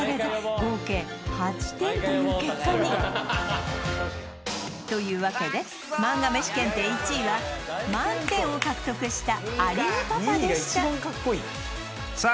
合計８点という結果にというわけでマンガ飯検定１位は満点を獲得した有野パパでしたさあ